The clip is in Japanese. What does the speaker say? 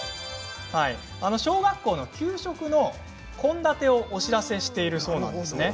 小学校の給食の献立をお知らせしているそうなんですね。